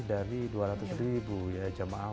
dari dua ratus ribu jamaah